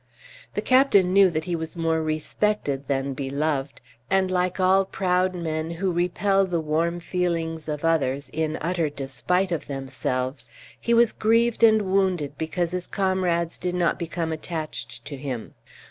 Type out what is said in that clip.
The captain knew that he was more respected than beloved, and, like all proud men who repel the warm feelings of others in utter despite of themselves, he was grieved and wounded because his comrades did not become attached to him.